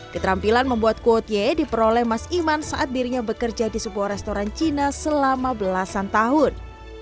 keterampilan membuat kuotie diperoleh mas iman saat dirinya bekerja di sebuah restoran cina selama belasan tahun